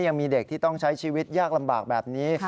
ยังมีเด็กที่ต้องใช้ชีวิตยากลำบากแบบนี้